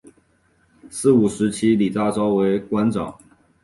五四时期李大钊为馆长。